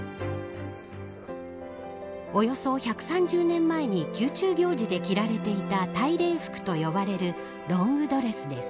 およそ１３０年前に宮中行事で着られていた大礼服と呼ばれるロングドレスです。